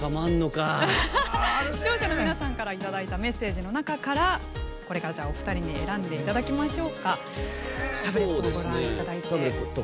視聴者の皆さんからいただいたメッセージの中からお二人に選んでいただきましょう。